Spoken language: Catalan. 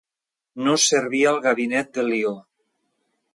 No servia al gabinet de Lió.